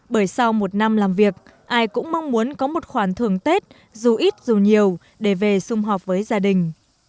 bởi sau một năm làm việc ai cũng mong muốn có một khoản thường tết dù ít dù nhiều để về xung họp với gia đình